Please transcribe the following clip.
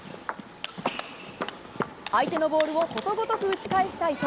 相手のボールをことごとく打ち返した伊藤。